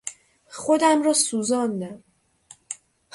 خودم را سوزاندم.